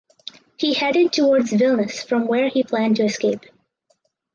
He headed towards Vilnius from where he planned to escape.